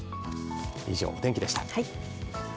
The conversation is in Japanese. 以上、お天気でした。